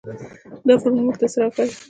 دا فارمول موږ ته څه راښيي.